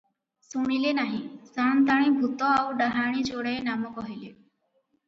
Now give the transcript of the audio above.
ଶୁଣିଲେ ନାହିଁ, ସାଆନ୍ତାଣୀ ଭୂତ ଆଉ ଡାହାଣୀ ଯୋଡାଏ ନାମ କହିଲେ ।"